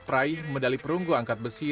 peraih medali perunggu angkat besi